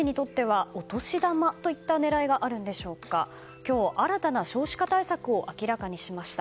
今日、新たな少子化対策を明らかにしました。